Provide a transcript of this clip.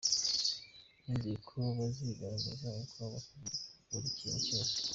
"Nizeye ko bazigaragaza ubwabo bakavuga buri kintu cyose.